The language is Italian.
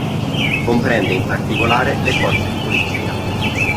Comprende in particolare le forze di polizia.